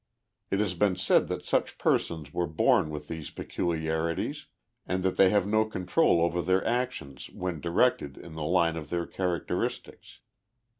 It has been said that such persons were born with these peculiari tie> and that they have no control over their actions when directed in the line of their characteristics.